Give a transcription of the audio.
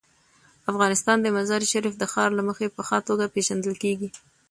افغانستان د مزارشریف د ښار له مخې په ښه توګه پېژندل کېږي.